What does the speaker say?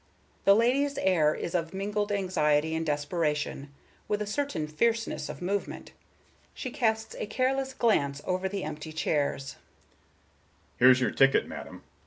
The lady's air is of mingled anxiety and desperation, with a certain fierceness of movement. She casts a careless glance over the empty chairs. Conductor: "Here's your ticket, madam.